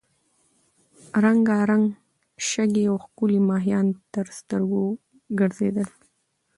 رنګارنګ شګې او ښکلي ماهیان تر سترګو ګرځېدل.